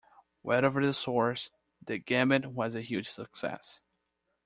Whatever the source, the gambit was a huge success.